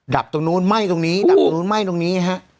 ดับตรงนู้นไหม้ตรงนี้ดับตรงนู้นไหม้ตรงนี้ฮะ